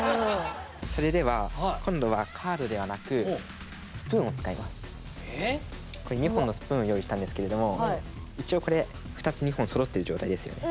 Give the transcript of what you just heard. それでは今度はここに２本のスプーンを用意したんですけれども一応これ２つ２本そろってる状態ですよね。